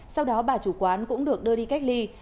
sau đó bà chủ quán cũng được đưa đi cách ly